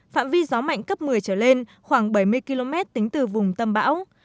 phạm vi gió mạnh cấp một mươi trở lên khoảng bảy mươi km tính từ vùng tâm bão